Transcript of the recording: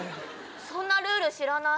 そんなルール知らない。